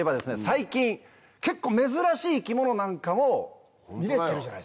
最近結構珍しい生き物なんかも見れてるじゃないですか。